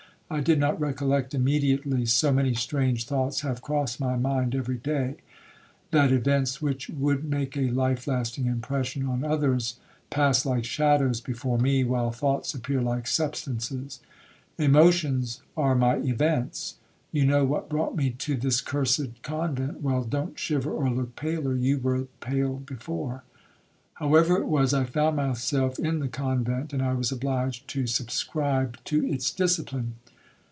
—I did not recollect immediately, so many strange thoughts have crossed my mind every day, that events which would make a life lasting impression on others, pass like shadows before me, while thoughts appear like substances. Emotions are my events—you know what brought me to this cursed convent—well, don't shiver or look paler—you were pale before. However it was, I found myself in the convent, and I was obliged to subscribe to its discipline.